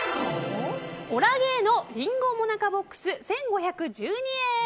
オラゲーノりんごモナカボックス１５１２円。